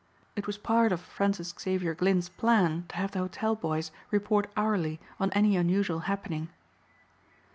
It was part of Francis Xavier Glynn's plan to have the hotel boys report hourly on any unusual happening.